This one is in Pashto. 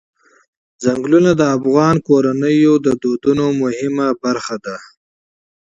ځنګلونه د افغان کورنیو د دودونو مهم عنصر دی.